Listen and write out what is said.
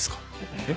えっ？